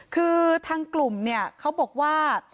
คือทางกลุ่มเนี่ยเขาบอกว่า